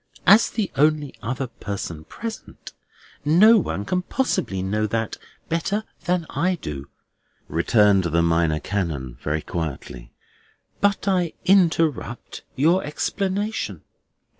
"As the only other person present, no one can possibly know that better than I do," returned the Minor Canon very quietly. "But I interrupt your explanation."